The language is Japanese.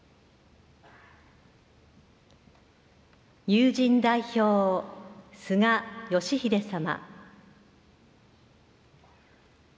友人代表、菅義偉様。